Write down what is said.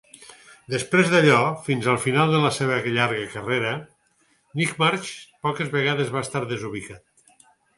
Després d'allò, fins al final de la seva llarga carrera, Nightmarch poques vegades va estar desubicat.